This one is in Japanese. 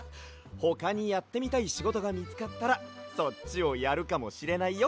ほかにやってみたいしごとがみつかったらそっちをやるかもしれないよ。